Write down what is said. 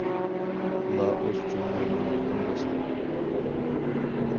لائوس جۇڭگونىڭ يېقىن دوستى.